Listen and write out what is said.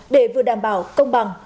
để vừa đảm bảo công bằng